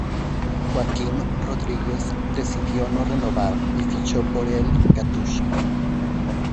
Joaquim Rodríguez decidió no renovar y fichó por el Katusha.